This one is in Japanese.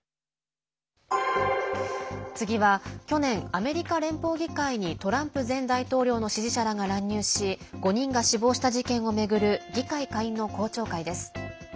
次は去年アメリカ連邦議会にトランプ前大統領の支持者らが乱入し５人が死亡した事件を巡る議会下院の公聴会です。